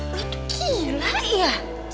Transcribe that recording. lo tuh gila ya